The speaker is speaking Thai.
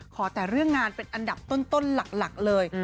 ขอแต่เรื่องงานเป็นอันดับต้นหลักเลย